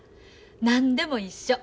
何でも一緒。